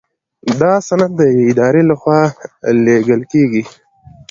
دا سند د یوې ادارې لخوا لیږل کیږي.